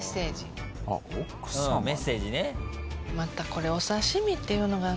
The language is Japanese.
またこれお刺し身っていうのがな。